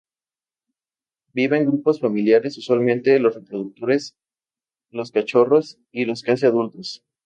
Vive en grupos familiares, usualmente los reproductores, los cachorros y los casi adultos.